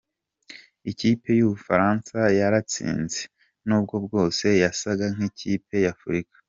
"Ikipe y'Ubufaransa yaratsinze, nubwo bwose yasaga nk'ikipe y'Afurika.